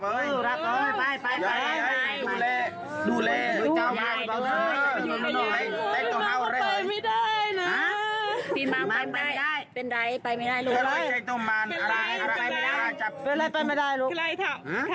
เป็นไรไปไม่ได้ลูก